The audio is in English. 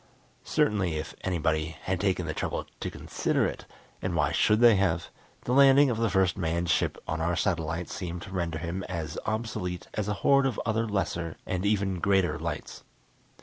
Certainly if anybody had taken the trouble to consider it and why should they have? the landing of the first manned ship on our satellite seemed to render him as obsolete as a horde of other lesser and even greater lights.